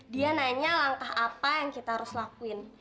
dia nanya langkah apa yang kita harus lakuin